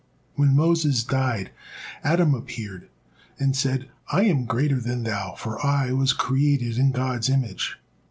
When Moses died, Adam appeared and said, "I am greater than thou, for I was created in God's image."